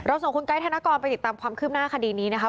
ส่งคุณไกด์ธนกรไปติดตามความคืบหน้าคดีนี้นะคะ